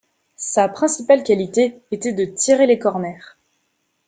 Sa principale qualité était de tirer les corner.